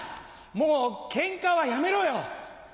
もうケンカはやめろよ！